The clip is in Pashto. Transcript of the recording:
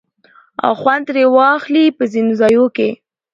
او خوند ترې واخلي په ځينو ځايو کې